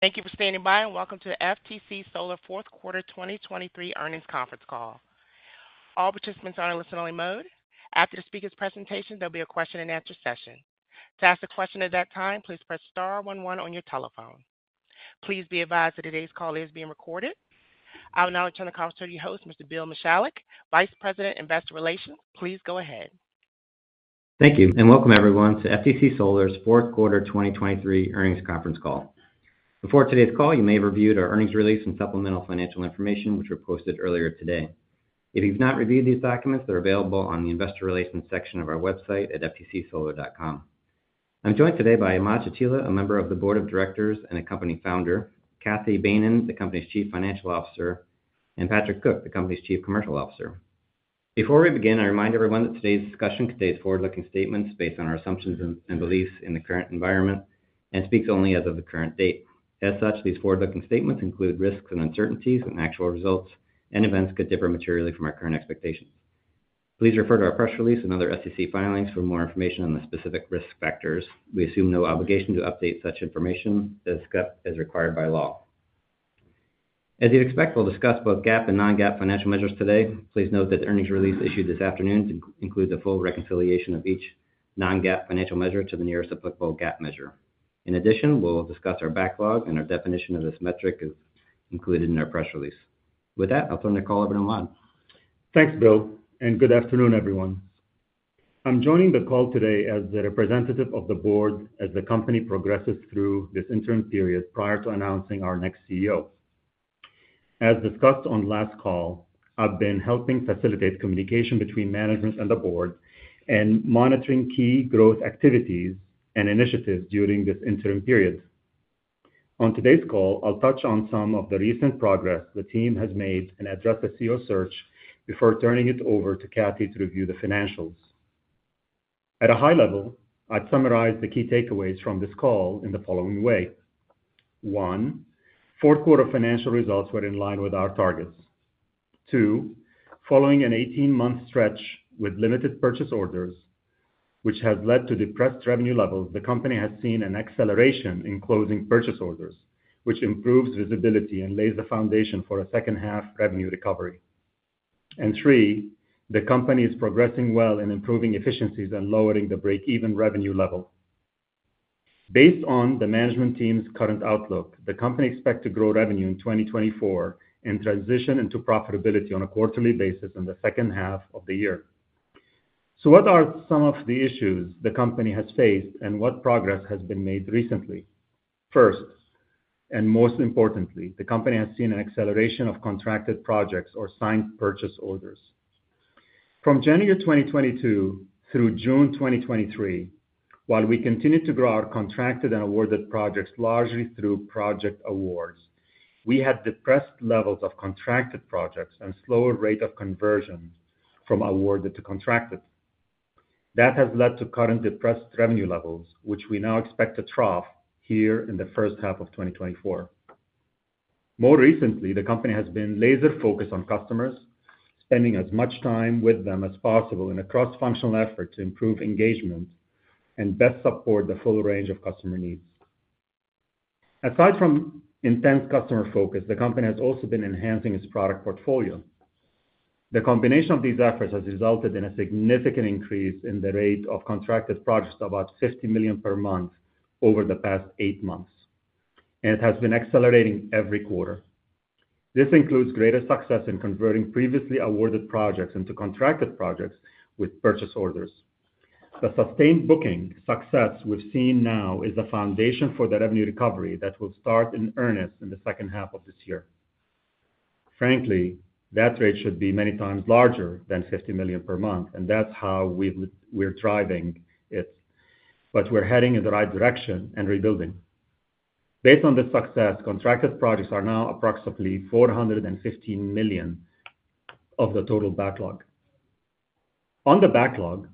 Thank you for standing by and welcome to the FTC Solar fourth quarter 2023 earnings conference call. All participants are in listen-only mode. After the speaker's presentation, there'll be a question-and-answer session. To ask a question at that time, please press star 11 on your telephone. Please be advised that today's call is being recorded. I will now turn the call over to your host, Mr. Bill Michalek, Vice President Investor Relations. Please go ahead. Thank you, and welcome everyone to FTC Solar's fourth quarter 2023 earnings conference call. Before today's call, you may have reviewed our earnings release and supplemental financial information, which were posted earlier today. If you've not reviewed these documents, they're available on the Investor Relations section of our website at ftcsolar.com. I'm joined today by Ahmad Chatila, a member of the board of directors and a company founder; Cathy Behnen, the company's Chief Financial Officer; and Patrick Cook, the company's Chief Commercial Officer. Before we begin, I remind everyone that today's discussion contains forward-looking statements based on our assumptions and beliefs in the current environment and speaks only as of the current date. As such, these forward-looking statements include risks and uncertainties and actual results, and events could differ materially from our current expectations. Please refer to our press release and other SEC filings for more information on the specific risk factors. We assume no obligation to update such information as required by law. As you'd expect, we'll discuss both GAAP and non-GAAP financial measures today. Please note that the earnings release issued this afternoon includes a full reconciliation of each non-GAAP financial measure to the nearest applicable GAAP measure. In addition, we'll discuss our backlog and our definition of this metric as included in our press release. With that, I'll turn the call over to Ahmad. Thanks, Bill, and good afternoon, everyone. I'm joining the call today as the representative of the board as the company progresses through this interim period prior to announcing our next CEO. As discussed on last call, I've been helping facilitate communication between management and the board and monitoring key growth activities and initiatives during this interim period. On today's call, I'll touch on some of the recent progress the team has made and address the CEO search before turning it over to Cathy to review the financials. At a high level, I'd summarize the key takeaways from this call in the following way: One, fourth quarter financial results were in line with our targets. Two, following an 18-month stretch with limited purchase orders, which has led to depressed revenue levels, the company has seen an acceleration in closing purchase orders, which improves visibility and lays the foundation for a second-half revenue recovery. And three, the company is progressing well in improving efficiencies and lowering the break-even revenue level. Based on the management team's current outlook, the company expects to grow revenue in 2024 and transition into profitability on a quarterly basis in the second half of the year. So what are some of the issues the company has faced and what progress has been made recently? First, and most importantly, the company has seen an acceleration of contracted projects or signed purchase orders. From January 2022 through June 2023, while we continued to grow our contracted and awarded projects largely through project awards, we had depressed levels of contracted projects and slower rate of conversion from awarded to contracted. That has led to current depressed revenue levels, which we now expect to trough here in the first half of 2024. More recently, the company has been laser-focused on customers, spending as much time with them as possible in a cross-functional effort to improve engagement and best support the full range of customer needs. Aside from intense customer focus, the company has also been enhancing its product portfolio. The combination of these efforts has resulted in a significant increase in the rate of contracted projects to about $50 million per month over the past eight months, and it has been accelerating every quarter. This includes greater success in converting previously awarded projects into contracted projects with purchase orders. The sustained booking success we've seen now is the foundation for the revenue recovery that will start in earnest in the second half of this year. Frankly, that rate should be many times larger than $50 million per month, and that's how we're driving it. We're heading in the right direction and rebuilding. Based on this success, contracted projects are now approximately $415 million of the total backlog. On the backlog,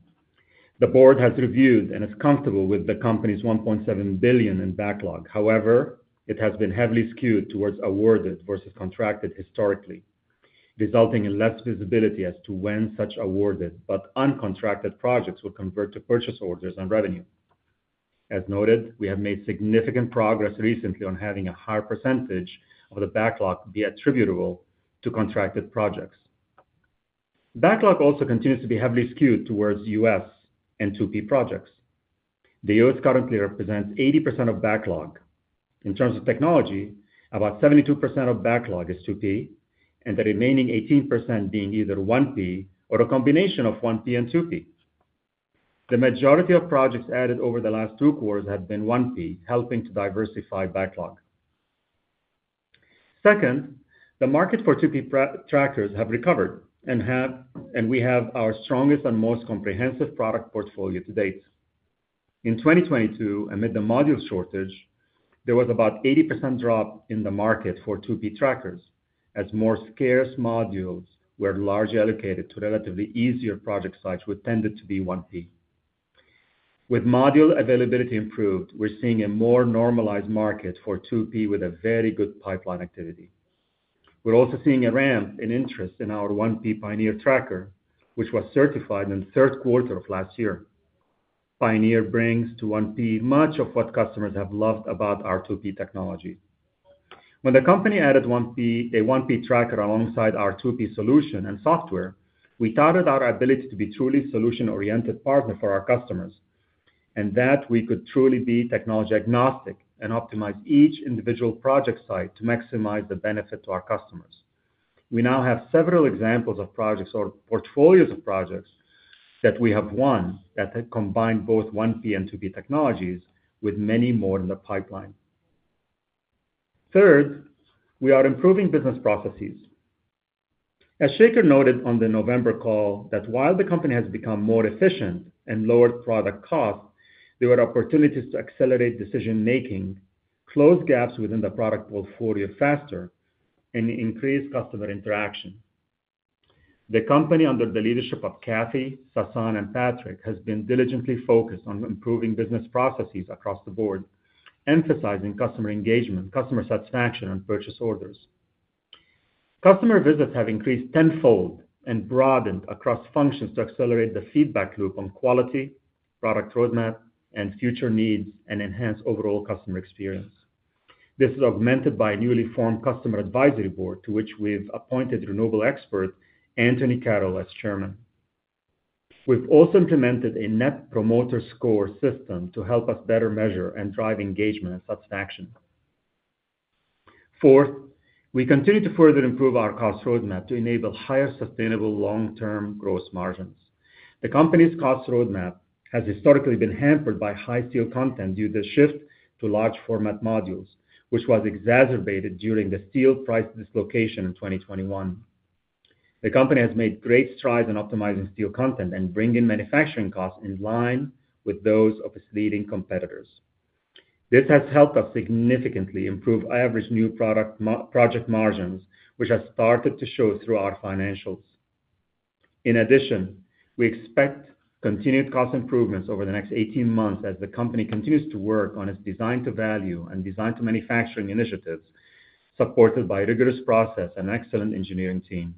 the board has reviewed and is comfortable with the company's $1.7 billion in backlog. However, it has been heavily skewed towards awarded versus contracted historically, resulting in less visibility as to when such awarded but uncontracted projects will convert to purchase orders and revenue. As noted, we have made significant progress recently on having a higher percentage of the backlog be attributable to contracted projects. Backlog also continues to be heavily skewed towards U.S. and 2P projects. The U.S. currently represents 80% of backlog. In terms of technology, about 72% of backlog is 2P, and the remaining 18% being either 1P or a combination of 1P and 2P. The majority of projects added over the last two quarters have been 1P, helping to diversify backlog. Second, the market for 2P trackers has recovered, and we have our strongest and most comprehensive product portfolio to date. In 2022, amid the module shortage, there was about an 80% drop in the market for 2P trackers as more scarce modules were largely allocated to relatively easier project sites, which tended to be 1P. With module availability improved, we're seeing a more normalized market for 2P with a very good pipeline activity. We're also seeing a ramp in interest in our 1P Pioneer tracker, which was certified in the third quarter of last year. Pioneer brings to 1P much of what customers have loved about our 2P technology. When the company added a 1P tracker alongside our 2P solution and software, we touted our ability to be truly a solution-oriented partner for our customers, and that we could truly be technology agnostic and optimize each individual project site to maximize the benefit to our customers. We now have several examples of projects or portfolios of projects that we have won that combine both 1P and 2P technologies with many more in the pipeline. Third, we are improving business processes. As Shaker noted on the November call, that while the company has become more efficient and lowered product costs, there were opportunities to accelerate decision-making, close gaps within the product portfolio faster, and increase customer interaction. The company, under the leadership of Cathy, Sasan, and Patrick, has been diligently focused on improving business processes across the board, emphasizing customer engagement, customer satisfaction, and purchase orders. Customer visits have increased tenfold and broadened across functions to accelerate the feedback loop on quality, product roadmap, and future needs, and enhance overall customer experience. This is augmented by a newly formed customer advisory board to which we've appointed renewable expert Anthony Carroll as chairman. We've also implemented a Net Promoter Score system to help us better measure and drive engagement and satisfaction. Fourth, we continue to further improve our cost roadmap to enable higher sustainable long-term gross margins. The company's cost roadmap has historically been hampered by high steel content due to the shift to large-format modules, which was exacerbated during the steel price dislocation in 2021. The company has made great strides in optimizing steel content and bringing manufacturing costs in line with those of its leading competitors. This has helped us significantly improve average new product project margins, which have started to show through our financials. In addition, we expect continued cost improvements over the next 18 months as the company continues to work on its design-to-value and design-to-manufacturing initiatives, supported by a rigorous process and excellent engineering team.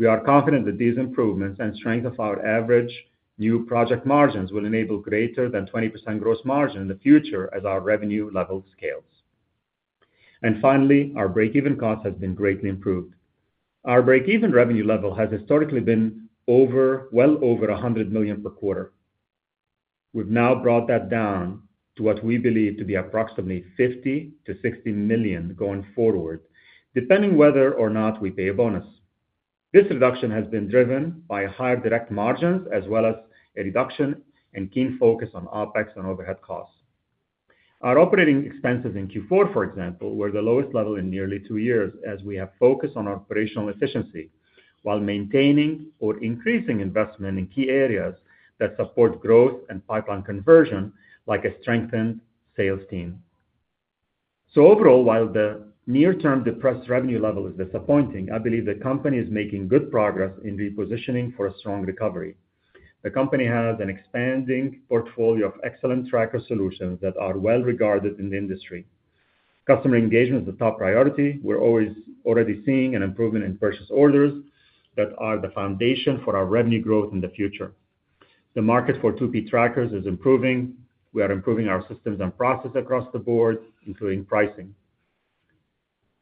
We are confident that these improvements and strength of our average new project margins will enable greater than 20% gross margin in the future as our revenue level scales. And finally, our break-even cost has been greatly improved. Our break-even revenue level has historically been well over $100 million per quarter. We've now brought that down to what we believe to be approximately $50 million-$60 million going forward, depending whether or not we pay a bonus. This reduction has been driven by higher direct margins as well as a reduction and keen focus on OPEX and overhead costs. Our operating expenses in Q4, for example, were the lowest level in nearly 2 years as we have focused on operational efficiency while maintaining or increasing investment in key areas that support growth and pipeline conversion, like a strengthened sales team. So overall, while the near-term depressed revenue level is disappointing, I believe the company is making good progress in repositioning for a strong recovery. The company has an expanding portfolio of excellent tracker solutions that are well regarded in the industry. Customer engagement is the top priority. We're already seeing an improvement in purchase orders that are the foundation for our revenue growth in the future. The market for 2P trackers is improving. We are improving our systems and processes across the board, including pricing.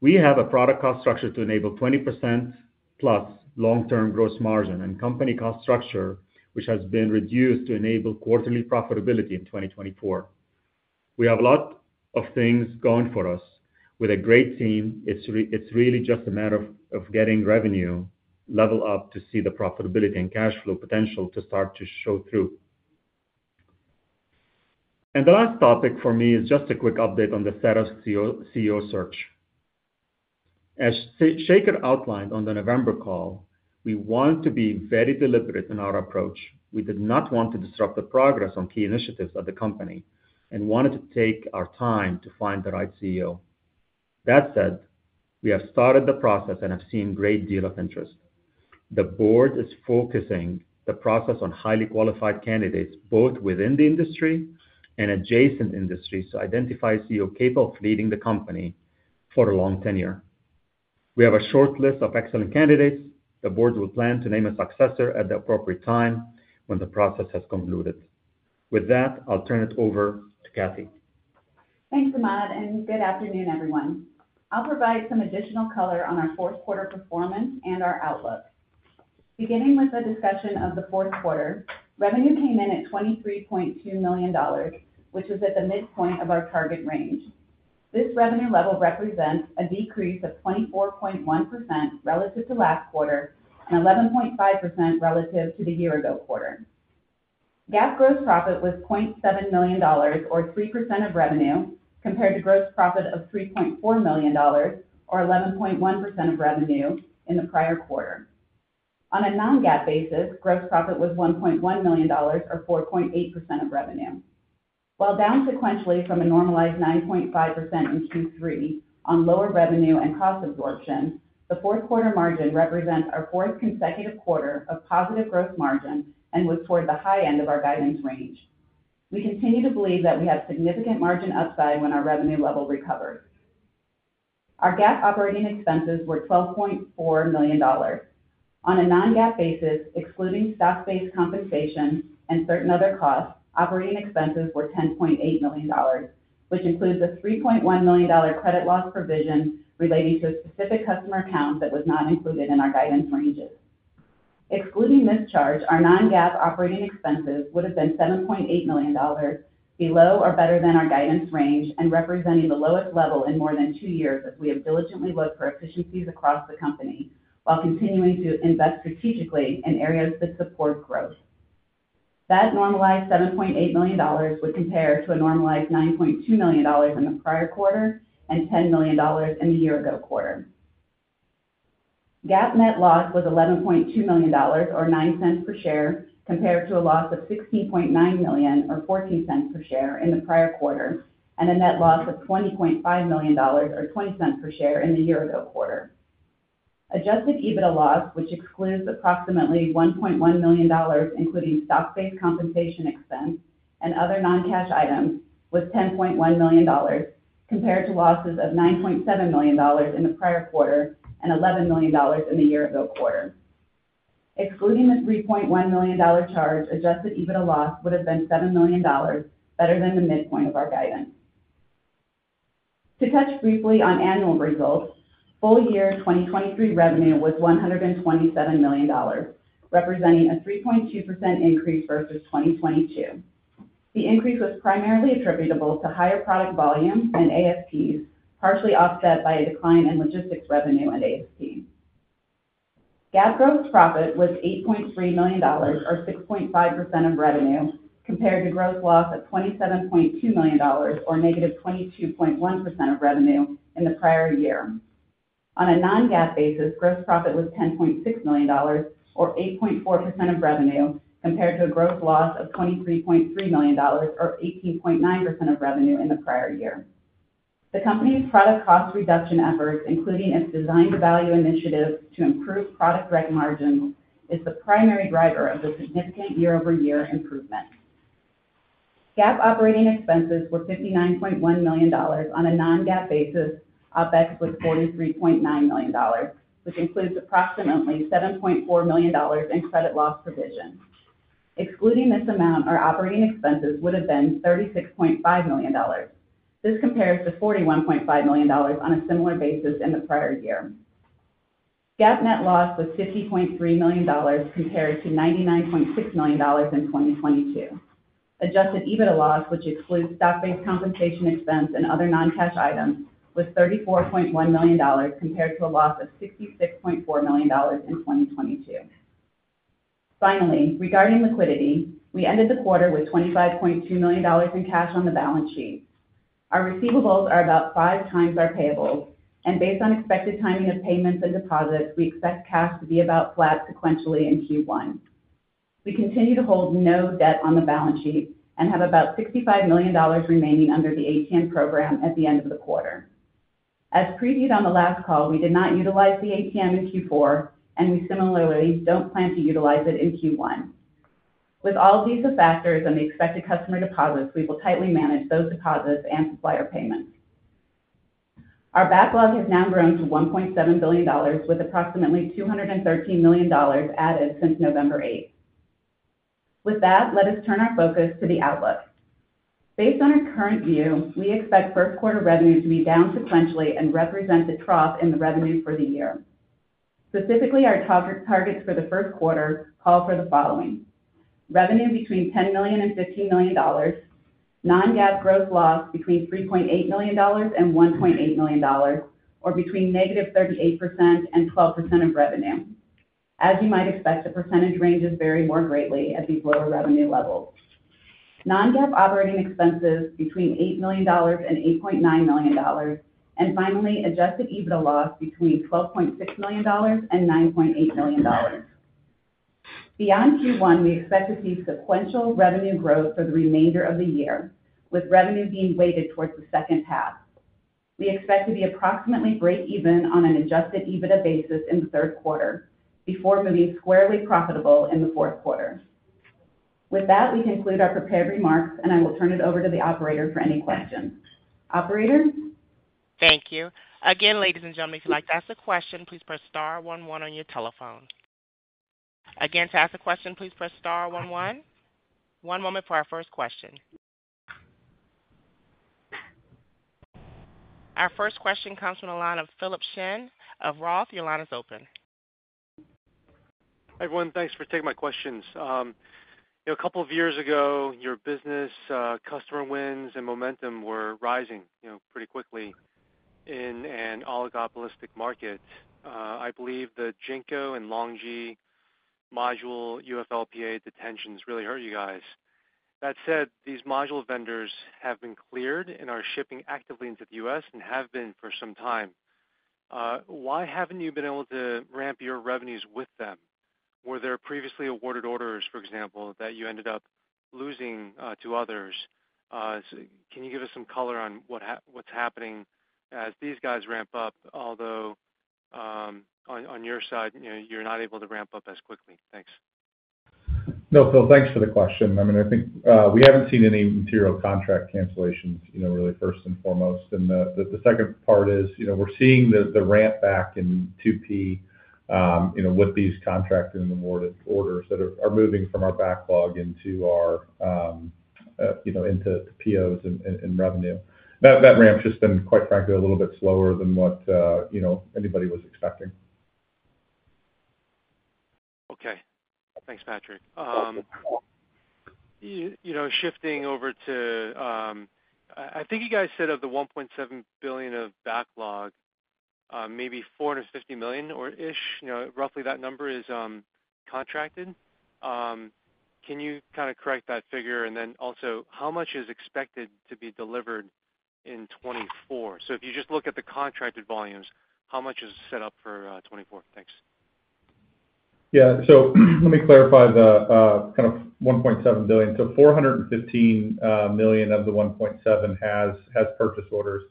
We have a product cost structure to enable 20%+ long-term gross margin and company cost structure, which has been reduced to enable quarterly profitability in 2024. We have a lot of things going for us with a great team. It's really just a matter of getting revenue leveled up to see the profitability and cash flow potential to start to show through. The last topic for me is just a quick update on the setup CEO search. As Shaker outlined on the November call, we want to be very deliberate in our approach. We did not want to disrupt the progress on key initiatives at the company and wanted to take our time to find the right CEO. That said, we have started the process and have seen a great deal of interest. The board is focusing the process on highly qualified candidates, both within the industry and adjacent industries, to identify a CEO capable of leading the company for a long tenure. We have a short list of excellent candidates. The board will plan to name a successor at the appropriate time when the process has concluded. With that, I'll turn it over to Cathy. Thanks, Ahmad, and good afternoon, everyone. I'll provide some additional color on our fourth quarter performance and our outlook. Beginning with the discussion of the fourth quarter, revenue came in at $23.2 million, which was at the midpoint of our target range. This revenue level represents a decrease of 24.1% relative to last quarter and 11.5% relative to the year-ago quarter. GAAP gross profit was $0.7 million or 3% of revenue compared to gross profit of $3.4 million or 11.1% of revenue in the prior quarter. On a non-GAAP basis, gross profit was $1.1 million or 4.8% of revenue. While down sequentially from a normalized 9.5% in Q3 on lower revenue and cost absorption, the fourth quarter margin represents our fourth consecutive quarter of positive gross margin and was toward the high end of our guidance range. We continue to believe that we have significant margin upside when our revenue level recovers. Our GAAP operating expenses were $12.4 million. On a non-GAAP basis, excluding stock-based compensation and certain other costs, operating expenses were $10.8 million, which includes a $3.1 million credit loss provision relating to a specific customer account that was not included in our guidance ranges. Excluding this charge, our non-GAAP operating expenses would have been $7.8 million below or better than our guidance range and representing the lowest level in more than two years as we have diligently looked for efficiencies across the company while continuing to invest strategically in areas that support growth. That normalized $7.8 million would compare to a normalized $9.2 million in the prior quarter and $10 million in the year-ago quarter. GAAP net loss was $11.2 million or $0.09 per share compared to a loss of $16.9 million or $0.14 per share in the prior quarter and a net loss of $20.5 million or $0.20 per share in the year-ago quarter. Adjusted EBITDA loss, which excludes approximately $1.1 million, including stock-based compensation expense and other non-cash items, was $10.1 million compared to losses of $9.7 million in the prior quarter and $11 million in the year-ago quarter. Excluding the $3.1 million charge, adjusted EBITDA loss would have been $7 million, better than the midpoint of our guidance. To touch briefly on annual results, full-year 2023 revenue was $127 million, representing a 3.2% increase versus 2022. The increase was primarily attributable to higher product volume and ASPs, partially offset by a decline in logistics revenue and ASP. GAAP gross profit was $8.3 million or 6.5% of revenue compared to gross loss of $27.2 million or negative 22.1% of revenue in the prior year. On a non-GAAP basis, gross profit was $10.6 million or 8.4% of revenue compared to a gross loss of $23.3 million or 18.9% of revenue in the prior year. The company's product cost reduction efforts, including its design-to-value initiative to improve product direct margins, is the primary driver of the significant year-over-year improvement. GAAP operating expenses were $59.1 million on a non-GAAP basis. OPEX was $43.9 million, which includes approximately $7.4 million in credit loss provision. Excluding this amount, our operating expenses would have been $36.5 million. This compares to $41.5 million on a similar basis in the prior year. GAAP net loss was $50.3 million compared to $99.6 million in 2022. Adjusted EBITDA loss, which excludes stock-based compensation expense and other non-cash items, was $34.1 million compared to a loss of $66.4 million in 2022. Finally, regarding liquidity, we ended the quarter with $25.2 million in cash on the balance sheet. Our receivables are about five times our payables, and based on expected timing of payments and deposits, we expect cash to be about flat sequentially in Q1. We continue to hold no debt on the balance sheet and have about $65 million remaining under the ATM program at the end of the quarter. As previewed on the last call, we did not utilize the ATM in Q4, and we similarly don't plan to utilize it in Q1. With all of these factors and the expected customer deposits, we will tightly manage those deposits and supplier payments. Our backlog has now grown to $1.7 billion, with approximately $213 million added since November 8th. With that, let us turn our focus to the outlook. Based on our current view, we expect first-quarter revenue to be down sequentially and represent the trough in the revenue for the year. Specifically, our targets for the first quarter call for the following: revenue between $10 million-$15 million, non-GAAP gross loss between $3.8 million-$1.8 million, or between -38% and 12% of revenue. As you might expect, the percentage ranges vary more greatly at these lower revenue levels: non-GAAP operating expenses between $8 million-$8.9 million, and finally, Adjusted EBITDA loss between $12.6 million-$9.8 million. Beyond Q1, we expect to see sequential revenue growth for the remainder of the year, with revenue being weighted towards the second half. We expect to be approximately break-even on an Adjusted EBITDA basis in the third quarter before moving squarely profitable in the fourth quarter. With that, we conclude our prepared remarks, and I will turn it over to the operator for any questions. Operator? Thank you. Again, ladies and gentlemen, if you'd like to ask a question, please press star one one on your telephone. Again, to ask a question, please press star one one. One moment for our first question. Our first question comes from Philip Shen of ROTH. Your line is open. Hi everyone. Thanks for taking my questions. A couple of years ago, your business customer wins and momentum were rising pretty quickly in an oligopolistic market. I believe the Jinko and LONGi module UFLPA detentions really hurt you guys. That said, these module vendors have been cleared and are shipping actively into the U.S. and have been for some time. Why haven't you been able to ramp your revenues with them? Were there previously awarded orders, for example, that you ended up losing to others? Can you give us some color on what's happening as these guys ramp up, although on your side, you're not able to ramp up as quickly? Thanks. No, Phil. Thanks for the question. I mean, I think we haven't seen any material contract cancellations really, first and foremost. The second part is we're seeing the ramp back in 2P with these contract and awarded orders that are moving from our backlog into our POs and revenue. That ramp's just been, quite frankly, a little bit slower than what anybody was expecting. Okay. Thanks, Patrick. Shifting over to, I think you guys said of the $1.7 billion of backlog, maybe $450 million-ish, roughly that number is contracted. Can you kind of correct that figure? And then also, how much is expected to be delivered in 2024? So if you just look at the contracted volumes, how much is set up for 2024? Thanks. Yeah. So let me clarify the kind of $1.7 billion. So $415 million of the $1.7 has purchase orders.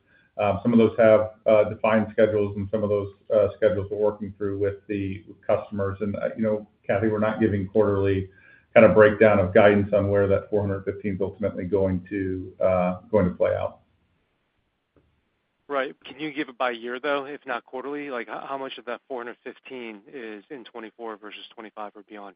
Some of those have defined schedules, and some of those schedules we're working through with the customers. And Cathy, we're not giving quarterly kind of breakdown of guidance on where that $415 is ultimately going to play out. Right. Can you give it by year, though, if not quarterly? How much of that $415 is in 2024 versus 2025 or beyond?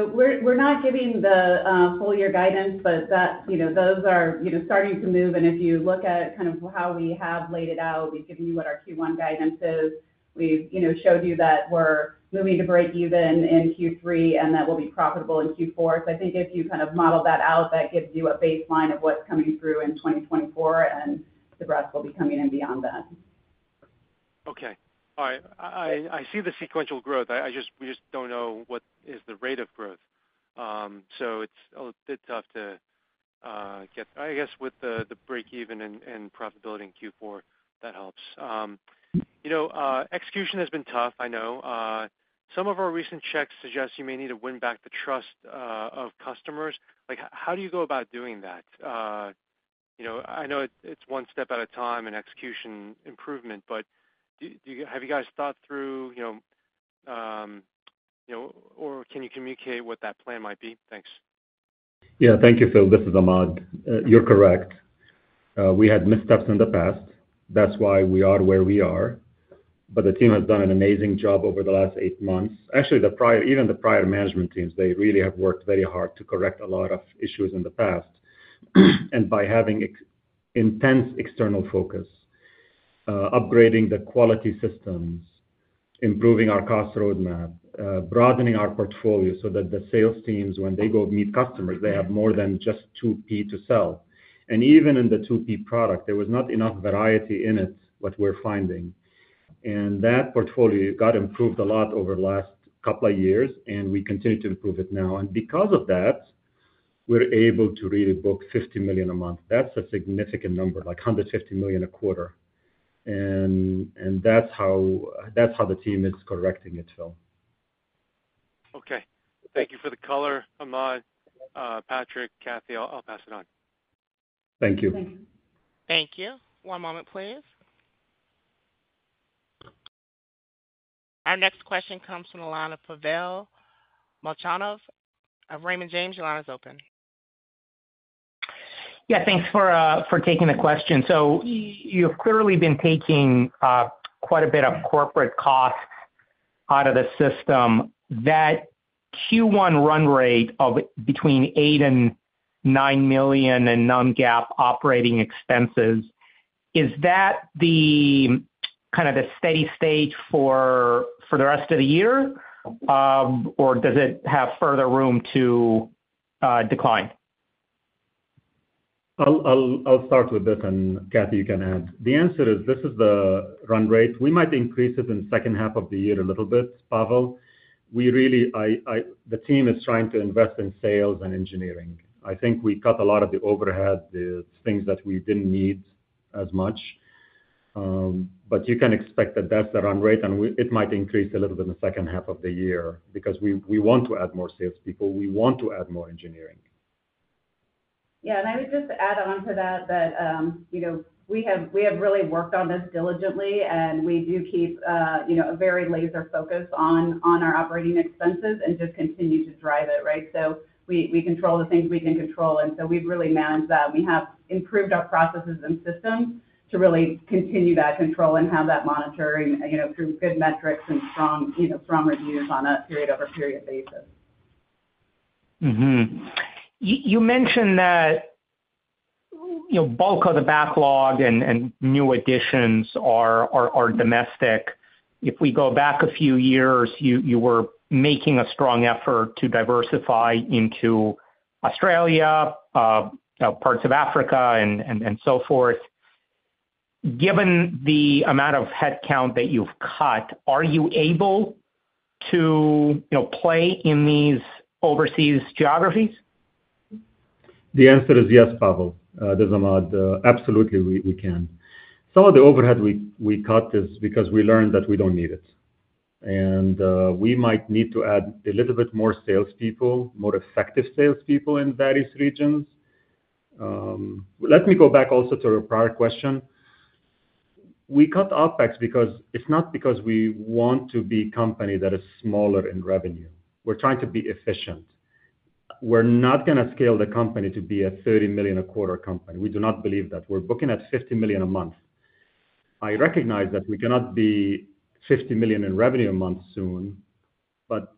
We're not giving the full-year guidance, but those are starting to move. If you look at kind of how we have laid it out, we've given you what our Q1 guidance is. We've showed you that we're moving to break even in Q3 and that we'll be profitable in Q4. I think if you kind of model that out, that gives you a baseline of what's coming through in 2024, and the rest will be coming in beyond that. Okay. All right. I see the sequential growth. We just don't know what is the rate of growth. So it's a bit tough to get I guess with the break-even and profitability in Q4, that helps. Execution has been tough, I know. Some of our recent checks suggest you may need to win back the trust of customers. How do you go about doing that? I know it's one step at a time in execution improvement, but have you guys thought through or can you communicate what that plan might be? Thanks. Yeah. Thank you, Phil. This is Ahmad. You're correct. We had missteps in the past. That's why we are where we are. But the team has done an amazing job over the last eight months. Actually, even the prior management teams, they really have worked very hard to correct a lot of issues in the past. And by having intense external focus, upgrading the quality systems, improving our cost roadmap, broadening our portfolio so that the sales teams, when they go meet customers, they have more than just 2P to sell. And even in the 2P product, there was not enough variety in it, what we're finding. And that portfolio got improved a lot over the last couple of years, and we continue to improve it now. And because of that, we're able to really book $50 million a month. That's a significant number, like $150 million a quarter. That's how the team is correcting it, Phil. Okay. Thank you for the color, Ahmad, Patrick, Cathy. I'll pass it on. Thank you. Thank you. One moment, please. Our next question comes from Pavel Malchanov of Raymond James. Your line is open. Yeah. Thanks for taking the question. So you've clearly been taking quite a bit of corporate costs out of the system. That Q1 run rate of between $8 million and $9 million in non-GAAP operating expenses, is that kind of the steady state for the rest of the year, or does it have further room to decline? I'll start with this, and Cathy, you can add. The answer is this is the run rate. We might increase it in the second half of the year a little bit, Pavel. The team is trying to invest in sales and engineering. I think we cut a lot of the overhead, the things that we didn't need as much. But you can expect that that's the run rate, and it might increase a little bit in the second half of the year because we want to add more salespeople. We want to add more engineering. Yeah. And I would just add on to that that we have really worked on this diligently, and we do keep a very laser focus on our operating expenses and just continue to drive it, right? So we control the things we can control, and so we've really managed that. We have improved our processes and systems to really continue that control and have that monitoring through good metrics and strong reviews on a period-over-period basis. You mentioned that bulk of the backlog and new additions are domestic. If we go back a few years, you were making a strong effort to diversify into Australia, parts of Africa, and so forth. Given the amount of headcount that you've cut, are you able to play in these overseas geographies? The answer is yes, Pavel. This is Ahmad. Absolutely, we can. Some of the overhead we cut is because we learned that we don't need it. And we might need to add a little bit more salespeople, more effective salespeople in various regions. Let me go back also to your prior question. We cut OPEX because it's not because we want to be a company that is smaller in revenue. We're trying to be efficient. We're not going to scale the company to be a $30 million a quarter company. We do not believe that. We're booking at $50 million a month. I recognize that we cannot be $50 million in revenue a month soon, but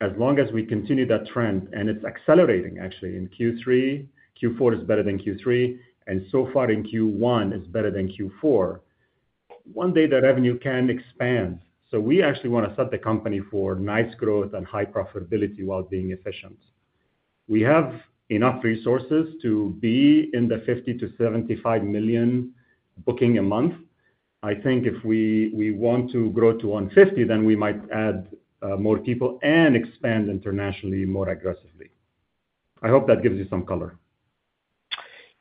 as long as we continue that trend and it's accelerating, actually, in Q3, Q4 is better than Q3, and so far in Q1 is better than Q4, one day the revenue can expand. We actually want to set the company for nice growth and high profitability while being efficient. We have enough resources to be in the $50 million-$75 million booking a month. I think if we want to grow to $150 million, then we might add more people and expand internationally more aggressively. I hope that gives you some color.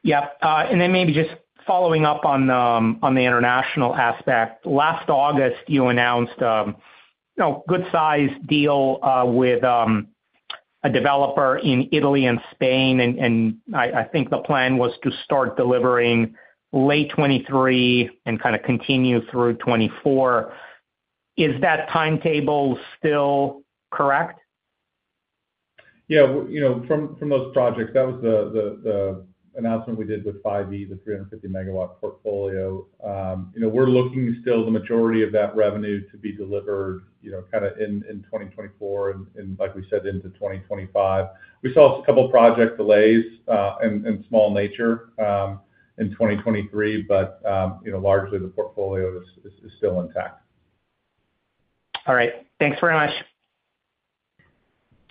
Yep. And then maybe just following up on the international aspect. Last August, you announced a good-sized deal with a developer in Italy and Spain, and I think the plan was to start delivering late 2023 and kind of continue through 2024. Is that timetable still correct? Yeah. From those projects, that was the announcement we did with, [inaudible] the 350 MW portfolio. We're looking still the majority of that revenue to be delivered kind of in 2024 and, like we said, into 2025. We saw a couple of project delays and small nature in 2023, but largely, the portfolio is still intact. All right. Thanks very much.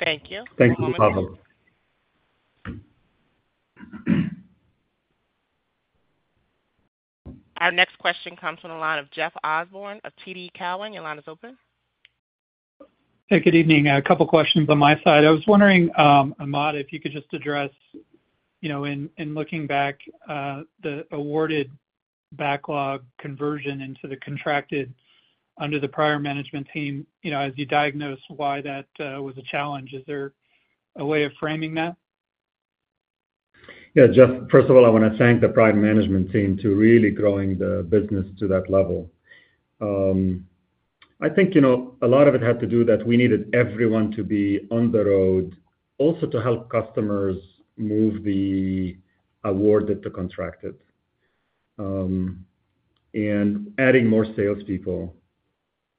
Thank you. Thank you, Pavel. Our next question comes from Jeff Osborne of TD Cowen. Your line is open. Hey. Good evening. A couple of questions on my side. I was wondering, Ahmad, if you could just address, in looking back, the awarded backlog conversion into the contracted under the prior management team, as you diagnosed why that was a challenge, is there a way of framing that? Yeah. Jeff, first of all, I want to thank the prior management team for really growing the business to that level. I think a lot of it had to do that we needed everyone to be on the road, also to help customers move the awarded to contracted, and adding more salespeople,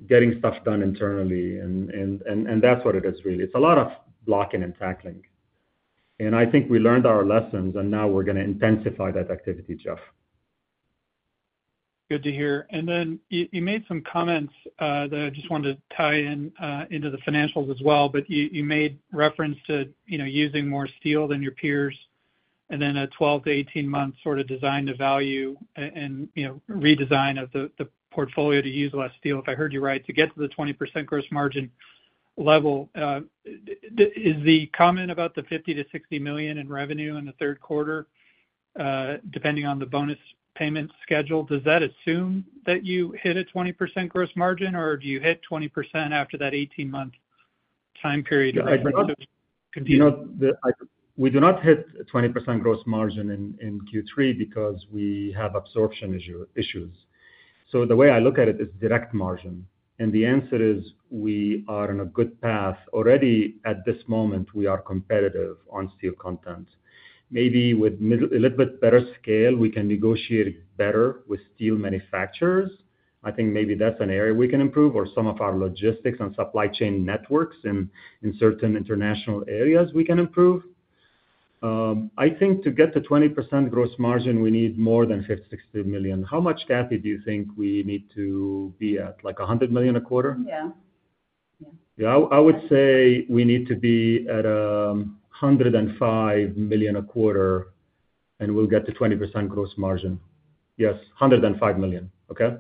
getting stuff done internally. That's what it is, really. It's a lot of blocking and tackling. I think we learned our lessons, and now we're going to intensify that activity, Jeff. Good to hear. Then you made some comments that I just wanted to tie into the financials as well, but you made reference to using more steel than your peers and then a 12-18-month sort of Design-to-Value and redesign of the portfolio to use less steel, if I heard you right, to get to the 20% gross margin level. Is the comment about the $50 million-$60 million in revenue in the third quarter, depending on the bonus payment schedule, does that assume that you hit a 20% gross margin, or do you hit 20% after that 18-month time period? We do not hit 20% gross margin in Q3 because we have absorption issues. So the way I look at it is direct margin. And the answer is we are on a good path. Already at this moment, we are competitive on steel content. Maybe with a little bit better scale, we can negotiate better with steel manufacturers. I think maybe that's an area we can improve, or some of our logistics and supply chain networks in certain international areas, we can improve. I think to get to 20% gross margin, we need more than $50 million-$60 million. How much, Cathy, do you think we need to be at, like $100 million a quarter? Yeah. Yeah. Yeah. I would say we need to be at $105 million a quarter, and we'll get to 20% gross margin. Yes, $105 million. Okay?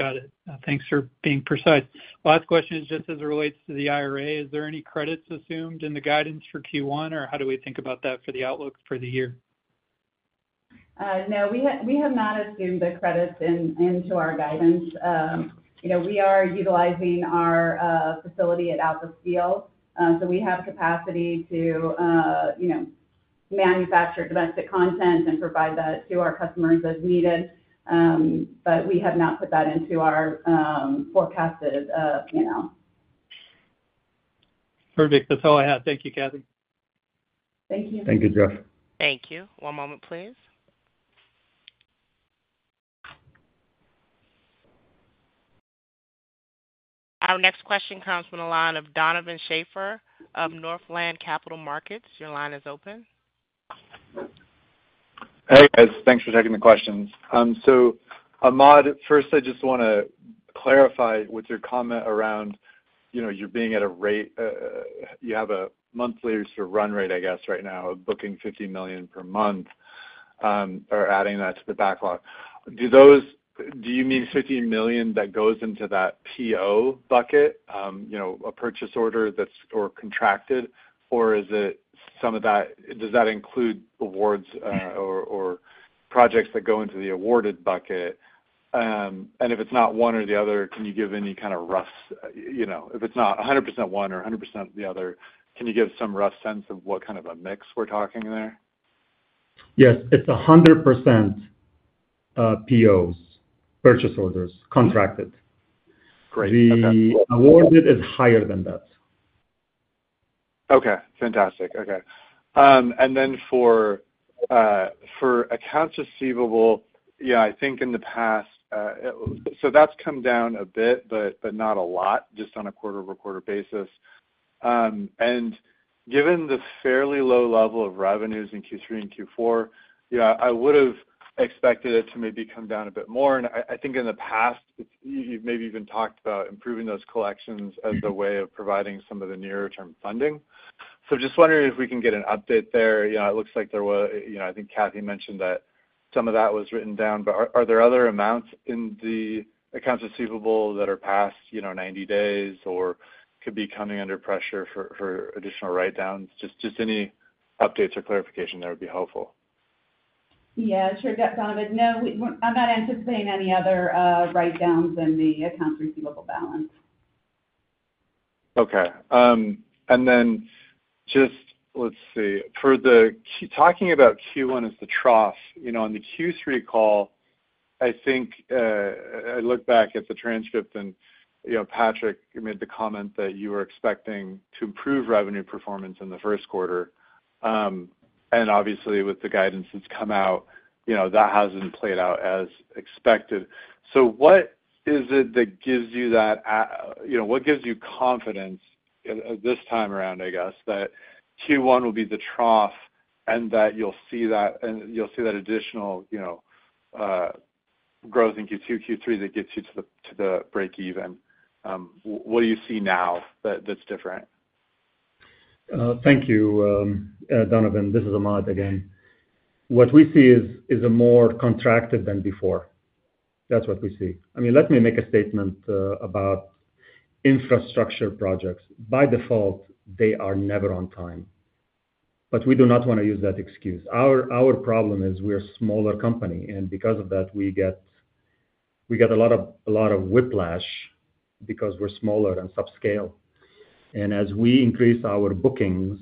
Got it. Thanks for being precise. Last question is just as it relates to the IRA. Is there any credits assumed in the guidance for Q1, or how do we think about that for the outlook for the year? No. We have not assumed the credits into our guidance. We are utilizing our facility at Alpha Steel. So we have capacity to manufacture domestic content and provide that to our customers as needed, but we have not put that into our forecasted. Perfect. That's all I had. Thank you, Cathy. Thank you. Thank you, Jeff. Thank you. One moment, please. Our next question comes from Donovan Shafer of Northland Capital Markets. Your line is open. Hey, guys. Thanks for taking the questions. So Ahmad, first, I just want to clarify with your comment around you're being at a rate you have a monthly sort of run rate, I guess, right now of booking $50 million per month or adding that to the backlog. Do you mean $50 million that goes into that PO bucket, a purchase order that's contracted, or is it some of that does that include awards or projects that go into the awarded bucket? And if it's not one or the other, can you give any kind of rough if it's not 100% one or 100% the other, can you give some rough sense of what kind of a mix we're talking there? Yes. It's 100% POs, purchase orders, contracted. The awarded is higher than that. Okay. Fantastic. Okay. And then for accounts receivable, yeah, I think in the past so that's come down a bit, but not a lot, just on a quarter-over-quarter basis. And given the fairly low level of revenues in Q3 and Q4, yeah, I would have expected it to maybe come down a bit more. And I think in the past, you've maybe even talked about improving those collections as a way of providing some of the nearer-term funding. So just wondering if we can get an update there. It looks like there were, I think Cathy mentioned that some of that was written down, but are there other amounts in the accounts receivable that are past 90 days or could be coming under pressure for additional write-downs? Just any updates or clarification there would be helpful. Yeah. Sure, Donovan. No, I'm not anticipating any other write-downs than the accounts receivable balance. Okay. And then just let's see. Talking about Q1 as the trough, on the Q3 call, I think I looked back at the transcript, and Patrick made the comment that you were expecting to improve revenue performance in the first quarter. And obviously, with the guidance that's come out, that hasn't played out as expected. So what is it that gives you that what gives you confidence this time around, I guess, that Q1 will be the trough and that you'll see that and you'll see that additional growth in Q2, Q3 that gets you to the break-even? What do you see now that's different? Thank you, Donovan. This is Ahmad again. What we see is more contracted than before. That's what we see. I mean, let me make a statement about infrastructure projects. By default, they are never on time, but we do not want to use that excuse. Our problem is we're a smaller company, and because of that, we get a lot of whiplash because we're smaller and subscale. And as we increase our bookings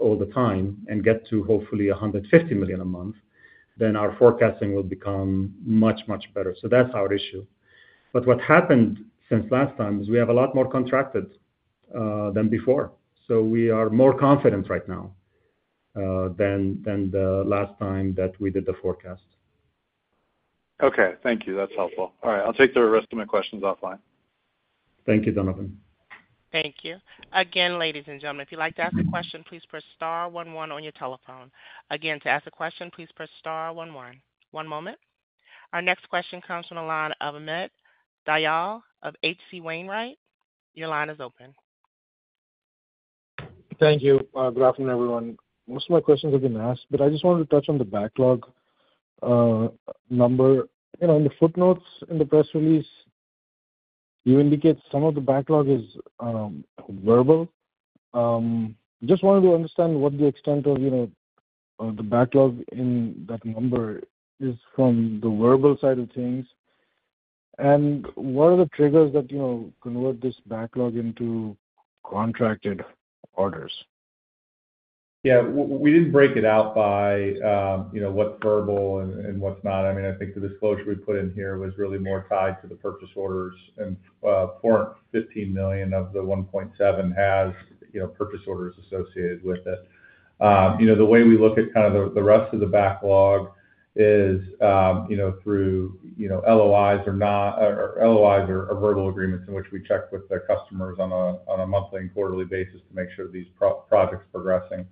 all the time and get to, hopefully, $150 million a month, then our forecasting will become much, much better. So that's our issue. But what happened since last time is we have a lot more contracted than before. So we are more confident right now than the last time that we did the forecast. Okay. Thank you. That's helpful. All right. I'll take the rest of my questions offline. Thank you, Donovan. Thank you. Again, ladies and gentlemen, if you'd like to ask a question, please press star one one on your telephone. Again, to ask a question, please press star one one. One moment. Our next question comes from Amit Dayal of H.C. Wainwright. Your line is open. Thank you, good afternoon, everyone. Most of my questions have been asked, but I just wanted to touch on the backlog number. In the footnotes in the press release, you indicate some of the backlog is verbal. Just wanted to understand what the extent of the backlog in that number is from the verbal side of things, and what are the triggers that convert this backlog into contracted orders? Yeah. We didn't break it out by what's verbal and what's not. I mean, I think the disclosure we put in here was really more tied to the purchase orders. And for $15 million of the $1.7 billion, it has purchase orders associated with it. The way we look at kind of the rest of the backlog is through LOIs or not or LOIs are verbal agreements in which we check with the customers on a monthly and quarterly basis to make sure these projects are progressing.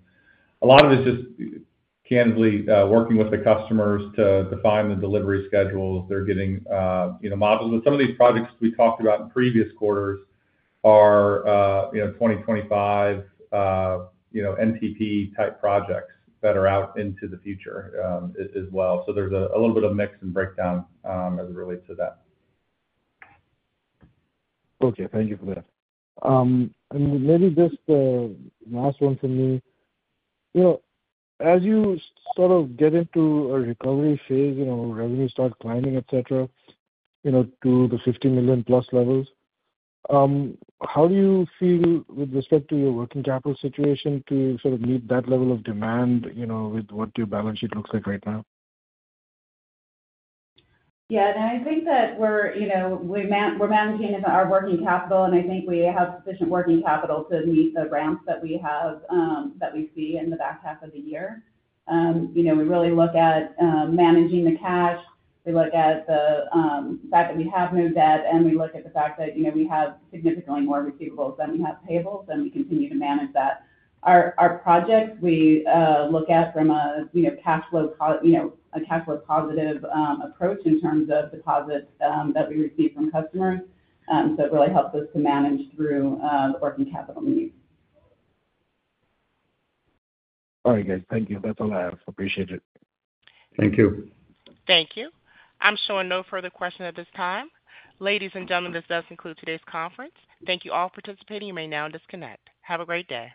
A lot of it's just candidly working with the customers to define the delivery schedules. They're getting models. But some of these projects we talked about in previous quarters are 2025 NTP-type projects that are out into the future as well. So there's a little bit of mix and breakdown as it relates to that. Okay. Thank you for that. And maybe just the last one from me. As you sort of get into a recovery phase, revenues start climbing, etc., to the $50 million-plus levels, how do you feel with respect to your working capital situation to sort of meet that level of demand with what your balance sheet looks like right now? Yeah. And I think that we're managing our working capital, and I think we have sufficient working capital to meet the ramps that we see in the back half of the year. We really look at managing the cash. We look at the fact that we have no debt, and we look at the fact that we have significantly more receivables than we have payables, and we continue to manage that. Our projects, we look at from a cash flow positive approach in terms of deposits that we receive from customers. So it really helps us to manage through working capital needs. All right, guys. Thank you. That's all I have. Appreciate it. Thank you. Thank you. I'm showing no further questions at this time. Ladies and gentlemen, this does conclude today's conference. Thank you all for participating. You may now disconnect. Have a great day.